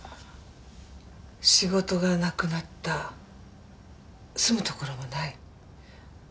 仕事がなくなった住むところもない。